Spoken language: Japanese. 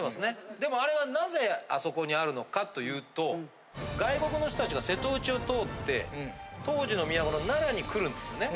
でもあれが何故あそこにあるのかと言うと外国の人達が瀬戸内を通って当時の都の奈良に来るんですよね。